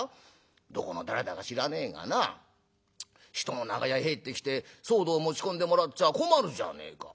どこの誰だか知らねえがな人の長屋入ってきて騒動持ち込んでもらっちゃ困るじゃねえか。